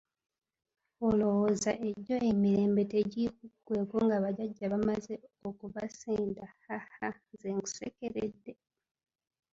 Olowooza egyo emirembe tegikuggweeko nga bajjajja bamaze okubasenda haha nze nkusekeredde?